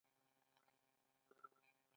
د دې مینه زموږ ایمان دی؟